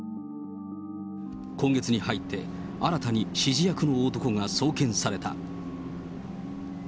今月に入って新たに指示役の男が送検された。